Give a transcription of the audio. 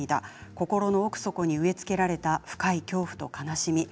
心の奥底に植え付けられた深い恐怖と悲しみ。